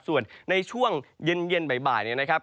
ส่วนในช่วงเย็นบ่ายเนี่ยนะครับ